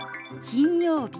「金曜日」。